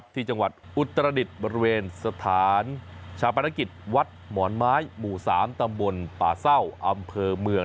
ที่จังหวัดอุตรดิษฐ์บริเวณสถานชาปนกิจวัดหมอนไม้หมู่๓ตำบลป่าเศร้าอำเภอเมือง